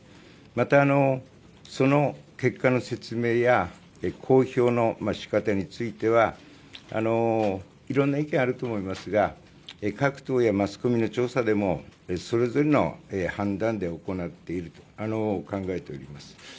また、その結果の説明や公表の仕方についてはいろんな意見はあると思いますが各党やマスコミの調査でもそれぞれの判断で行っていると考えております。